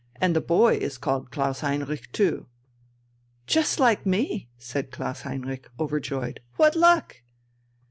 and the boy is called Klaus Heinrich too." "Just like me?" said Klaus Heinrich, overjoyed.... "What luck!"